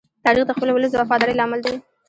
تاریخ د خپل ولس د وفادارۍ لامل دی.